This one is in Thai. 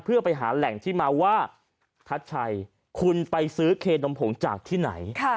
เพื่อไปหาแหล่งที่มาว่าทัชชัยคุณไปซื้อเคนมผงจากที่ไหน